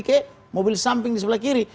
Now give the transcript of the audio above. ke mobil samping di sebelah kiri